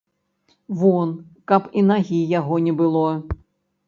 Вон, каб і нагі яго не было!